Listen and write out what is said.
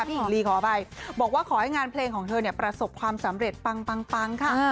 หญิงลีขออภัยบอกว่าขอให้งานเพลงของเธอประสบความสำเร็จปังค่ะ